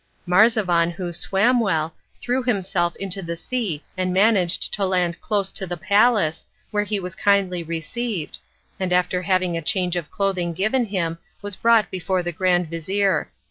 Marzavan, who swam well, threw himself into the sea and managed to land close to the palace, where he was kindly received, and after having a change of clothing given him was brought before the grand vizir.